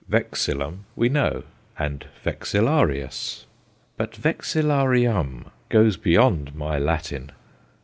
Vexillum we know, and vexillarius, but vexillarium goes beyond my Latin.